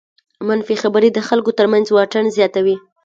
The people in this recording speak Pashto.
منفي خبرې د خلکو تر منځ واټن زیاتوي.